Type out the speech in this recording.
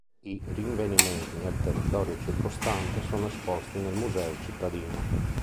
I rinvenimenti nel territorio circostante sono esposti nel museo cittadino.